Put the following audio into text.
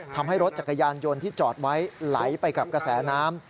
ทำให้รถจักรยานยนต์ที่จอดไว้ไหลไปกับกระแสน้ำ